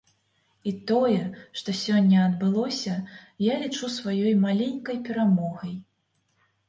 І тое, што сёння адбылося, я лічу сваёй маленькай перамогай.